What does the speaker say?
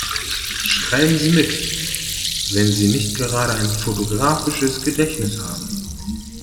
Schreiben Sie mit, wenn Sie nicht gerade ein fotografisches Gedächtnis haben.